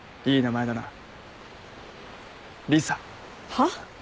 はっ？